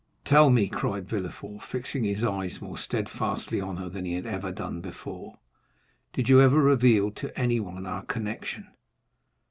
Tell me," cried Villefort, fixing his eyes more steadfastly on her than he had ever done before, "did you ever reveal to anyone our connection?"